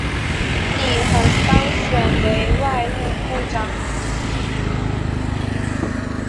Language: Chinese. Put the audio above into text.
李璜当选为外务部长。